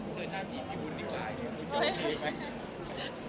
คุณใจโอเคหรือยังไง